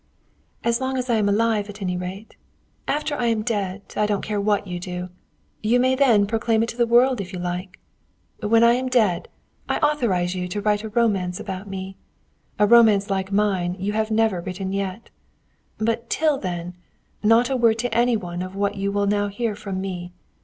"As long as I am alive, at any rate. After I am dead, I don't care what you do. You may then proclaim it to the world if you like. When I am dead, I authorize you to write a romance about me, a romance like mine you have never written yet. But till then, not a word to any one of what you will now hear from me.